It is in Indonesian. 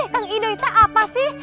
kang indo itu apa sih